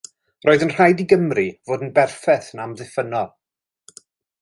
Roedd yn rhaid i Gymru fod yn berffaith yn amddiffynnol.